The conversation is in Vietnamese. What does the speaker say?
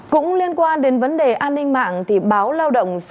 cũng liên quan đến vấn đề an ninh mạng